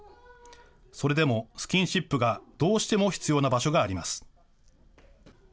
それでもスキンシップがどうしても必要な場所があります。